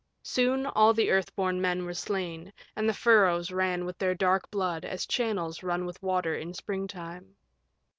Soon all the Earth born Men were slain, and the furrows ran with their dark blood as channels run with water in springtime.